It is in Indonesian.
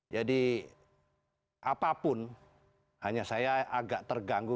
jadi apapun hanya saya agak terganggu